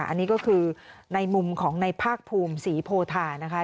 อันนี้ก็คือในมุมของในภาคภูมิศรีโพธานะคะ